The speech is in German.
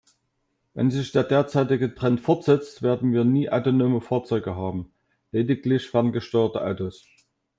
Wenn sich der derzeitige Trend fortsetzt, werden wir nie autonome Fahrzeuge haben, lediglich ferngesteuerte Autos.